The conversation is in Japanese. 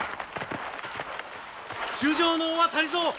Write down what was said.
主上のお渡りぞ！